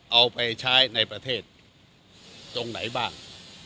เอาไปใช้ในประเทศตรงไหนบ้าง